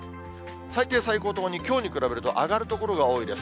最低、最高ともにきょうに比べると上がる所が多いです。